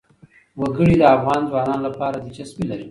وګړي د افغان ځوانانو لپاره دلچسپي لري.